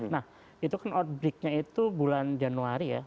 nah itu kan outbreaknya itu bulan januari ya